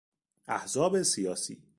احزاب سیاسی